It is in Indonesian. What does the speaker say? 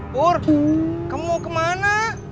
pur kamu mau kemana